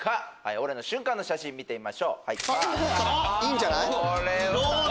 「オレ！」の瞬間の写真見てみましょう。